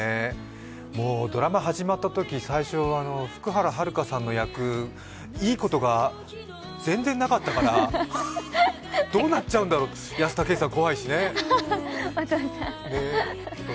もうドラマ始まったとき、最初福原遥さんの役、いいことが全然なかったからどうなっちゃうんだろう、お父さん。